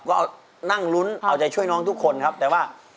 ก็นั่งลุ้นเอาใจช่วยน้องทุกคนครับแต่ว่า